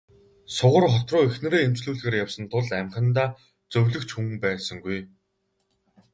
Сугар хот руу эхнэрээ эмчлүүлэхээр явсан тул амьхандаа зөвлөх ч хүн байсангүй.